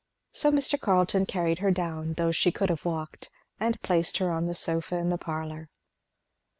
So Mr. Carleton carried her down, though she could have walked, and placed her on the sofa in the parlour.